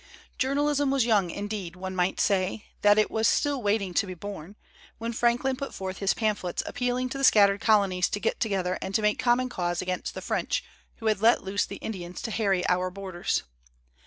Journalism was young, indeed, one might say th.it it was still waiting to be born, when Frank lin put forth his pamphlets appealing to the scattered colonies to get together and to mukr common cause against the French who had let loose tlu Indians to harry our borders.